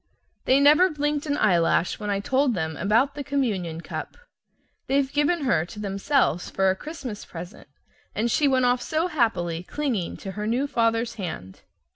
They never blinked an eyelash when I told them about the communion cup. They've given her to themselves for a Christmas present, and she went off so happily, clinging to her new father's hand!